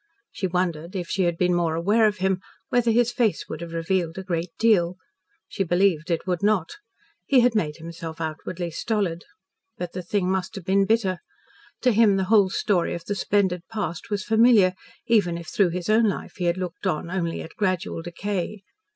She wondered, if she had been more aware of him, whether his face would have revealed a great deal. She believed it would not. He had made himself outwardly stolid. But the thing must have been bitter. To him the whole story of the splendid past was familiar even if through his own life he had looked on only at gradual decay.